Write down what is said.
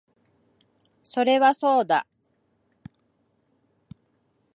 それはそうだ